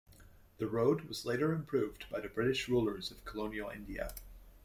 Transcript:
The road was later improved by the British rulers of colonial India.